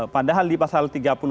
padahal di pasal tiga puluh enam